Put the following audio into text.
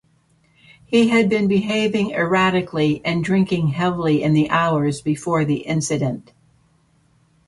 He had been behaving erratically and drinking heavily in the hours before the incident.